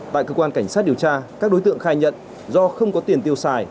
tại cơ quan cảnh sát điều tra các đối tượng khai nhận do không có tiền tiêu xài